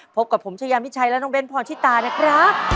พบกับผมชายามิชัยและน้องเบ้นพรชิตานะครับ